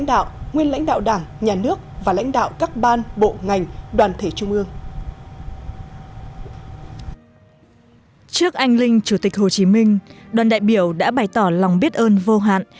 trước anh linh chủ tịch hồ chí minh đoàn đại biểu đã bày tỏ lòng biết ơn vô hạn